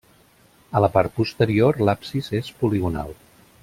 A la part posterior, l'absis és poligonal.